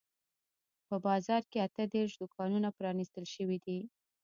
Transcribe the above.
په بازار کې اته دیرش دوکانونه پرانیستل شوي دي.